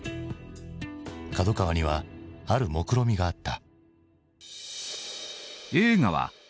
角川にはあるもくろみがあった。